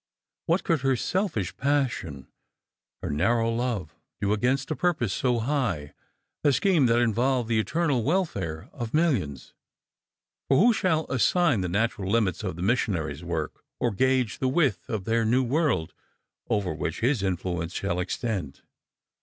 AVhat could her selfish passion, her narrow love, do against a purpose so high, a scheme that involved the eternal welfare of millions ? For who shall assign the natural Umits of the missionarj 's work, or gauge the width of that new world over which his influence shall extend